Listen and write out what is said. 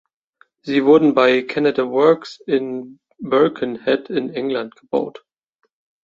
Sie wurden bei Canada Works in Birkenhead in England gebaut.